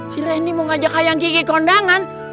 si rendy mau ajak ayang kiki ke kondangan